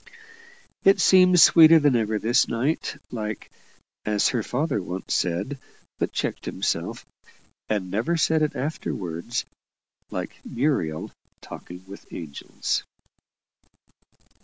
It seemed sweeter than ever this night, like as her father once said, but checked himself, and never said it afterwards like Muriel talking with angels.